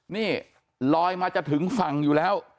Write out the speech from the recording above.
นี่ลอยมาจะถึงฝั่งอยู่แล้ว